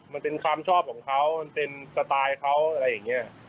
มันเป็นความชอบของเขามันเป็นสไตล์เขาอะไรอย่างนี้